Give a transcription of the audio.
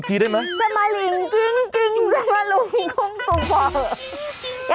ใช้เมียได้ตลอด